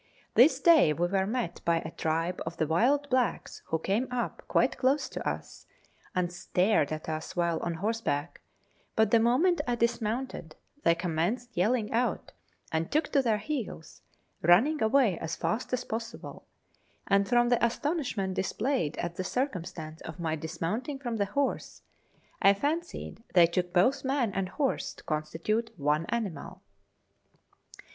This day we were met by a tribe of the wild blacks who came up quite close to us, and staved at us while on horse back, but the moment I dismounted they commenced yelling out, and took to their heels, running away as fast as possible; and 25G Letters from Victorian Pioneers. from the astonishment displayed at the circumstance of my dis mounting from the horse, I fancied they took both man and horse to constitute one animal.